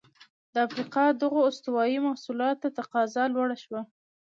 د افریقا دغو استوايي محصولاتو ته تقاضا لوړه شوه.